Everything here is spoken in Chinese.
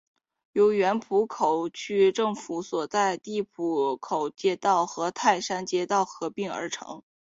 由原浦口区政府所在地浦口街道和泰山街道合并而成。